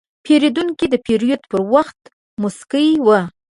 پیرودونکی د پیرود پر وخت موسکی و.